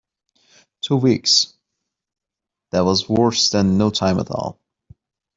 Two weeks — that was worse than no time at all.